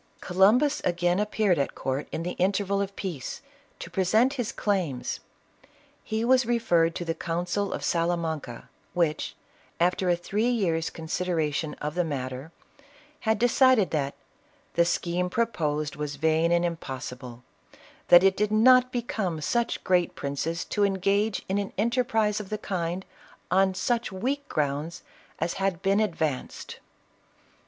Columbus again appeared at court, in the interval of peace, to present his claims. He was referred to the council of Salamanca, which, after a three years' con sideration of the matter, had decided that " the scheme proposed was vain and impossible ; and that it did not become such great princes to engage in an enterprise of the kind, on such weak grounds as had been ad ' vanced."